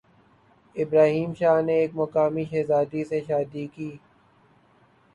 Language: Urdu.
ابراہیم شاہ نے ایک مقامی شہزادی سے شادی کی